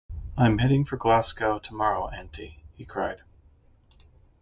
"I'm heading for Glasgow tomorrow, Auntie," he cried.